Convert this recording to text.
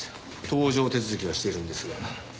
搭乗手続きはしているんですが。